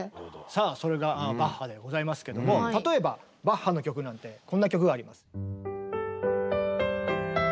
さあそれがバッハでございますけども例えばバッハの曲なんてこんな曲があります。